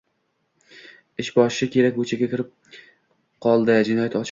Ish boshi berk ko`chaga kirib qoldi, jinoyat ochilmadi